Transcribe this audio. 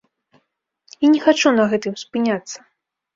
І не хачу на гэтым спыняцца.